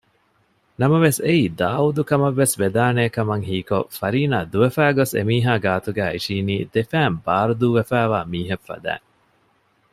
ނަމަވެސް އެއީ ދާއޫދުކަމަށްވެސް ވެދާނޭކަމަށް ހީކޮށް ފަރީނާ ދުވެފައިގޮސް އެމީހާގެ ގާތުގައި އިށީނީ ދެފައިން ބާރުދޫވެފައިވާ މީހެއް ފަދައިން